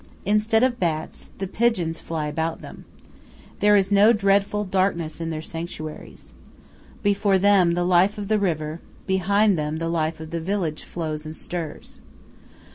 Instead of bats, the pigeons fly about them. There is no dreadful darkness in their sanctuaries. Before them the life of the river, behind them the life of the village flows and stirs.